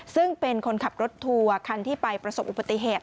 ซึ่งเป็นคนขับรถทัวร์คันที่ไปประสบอุบัติเหตุ